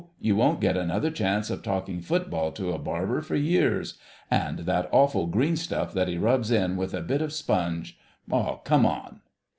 You won't get another chance of talking football to a barber for years.... And that awful green stuff that he rubs in with a bit of sponge—oh, come on!"